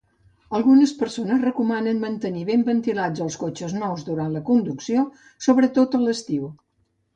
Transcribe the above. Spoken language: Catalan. Algunes persones recomanen mantenir ben ventilats els cotxes nous durant la conducció, sobretot a l'estiu.